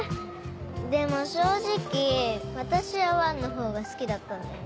でも正直私は『１』のほうが好きだったんだよね。